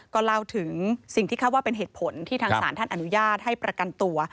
ก็เล่าถึงสิ่งที่คาดว่าเป็นเหตุผลที่ทางศาลท่านอนุญาตให้ประกันตัว